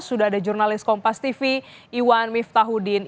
sudah ada jurnalis kompas tv iwan miftahudin